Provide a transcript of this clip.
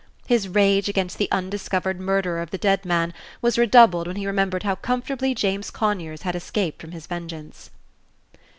His rage against the undiscovered murderer of the dead man was redoubled when he remembered how comfortably James Conyers had escaped from his vengeance.